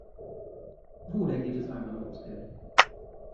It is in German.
Oder geht es einfach nur ums Geld?